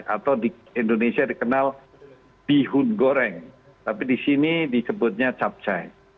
atau di indonesia dikenal bihun goreng tapi di sini disebutnya capcai